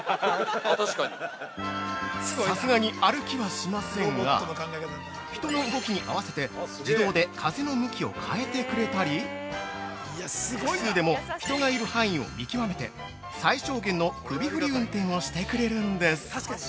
◆さすがに歩きはしませんが人の動きに合わせて自動で風の向きを変えてくれたり複数でも人がいる範囲を見極めて最小限の首ふり運転をしてくれるんです！